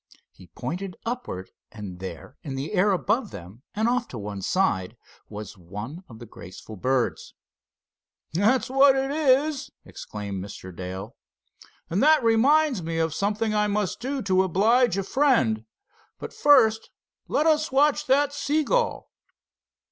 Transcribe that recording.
He pointed upward and there, in the air above them and off to one side, was one of the graceful birds. "That's what it is!" exclaimed Mr. Dale. "And that reminds me of something I must do to oblige a friend. But first let us watch that seagull."